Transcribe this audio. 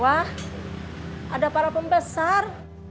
wah ada para pembesar